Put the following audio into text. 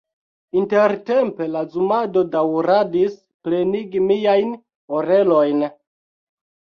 Intertempe la zumado daŭradis plenigi miajn orelojn.